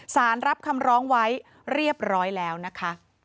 สารรับคำร้องไว้เรียบร้อยแล้วนะคะ